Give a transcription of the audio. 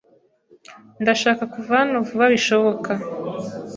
Ndashaka kuva hano vuba bishoboka